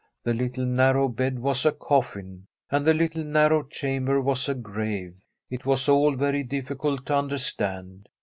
The little narrow bed was a coffin, and the little narrow chamber was a grave. It was all very difficult to understand.